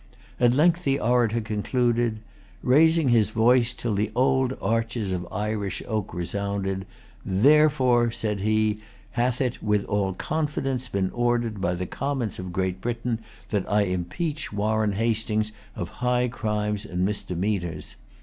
At length the orator concluded. Raising his voice till the old arches of Irish oak resounded, "Therefore," said he, "hath it with all confidence been ordered by the Commons of Great Britain, that I impeach Warren Hastings of high crimes and misdemeanors.